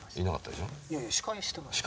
いやいや司会してました